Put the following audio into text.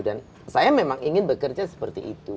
dan saya memang ingin bekerja seperti itu